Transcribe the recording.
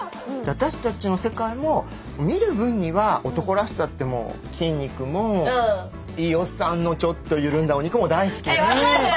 私たちの世界も見る分には男らしさって筋肉もいいおっさんのちょっと緩んだお肉も大好きなんだけど。